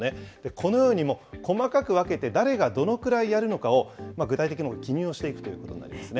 このように細かく分けて、誰がどのくらいやるのかを具体的に記入をしていくということになりますね。